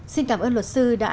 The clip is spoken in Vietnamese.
xin cảm ơn luật sư đã tham gia